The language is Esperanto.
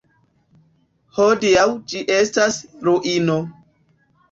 Hodiaŭ ĝi estas ruino.